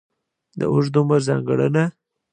د اوږد عمر ځانګړنه.